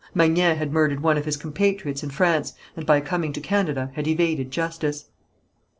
Magnan had murdered one of his compatriots in France, and by coming to Canada had evaded justice.